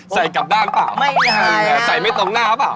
ใส่กลับด้านเปล่าไม่ได้ครับใส่ไม่ตรงหน้าเปล่า